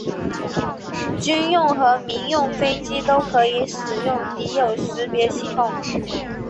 军用和民用飞机都可以使用敌友识别系统。